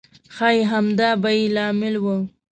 ښایي همدا به یې لامل و.